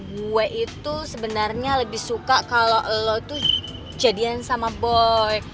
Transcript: gue itu sebenarnya lebih suka kalau lo tuh jadian sama boy